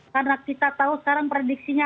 karena kita tahu sekarang prediksinya